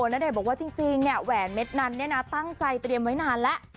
ณเดชน์บอกว่าจริงแหวนเม็ดนั้นตั้งใจเตรียมไว้นานแล้ว